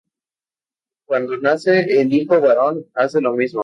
Cuando nace el hijo varón hace lo mismo.